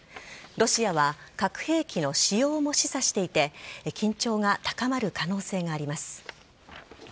ロシアは核兵器の使用も示唆していて緊張が高まる可能性があります。